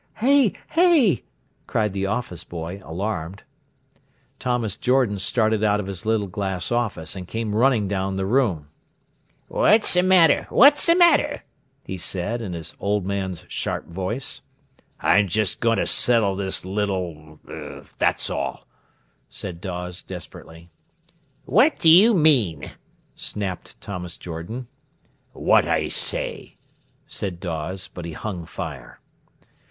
"Hey! Hey!" cried the office boy, alarmed. Thomas Jordan started out of his little glass office, and came running down the room. "What's a matter, what's a matter?" he said, in his old man's sharp voice. "I'm just goin' ter settle this little—, that's all," said Dawes desperately. "What do you mean?" snapped Thomas Jordan. "What I say," said Dawes, but he hung fire.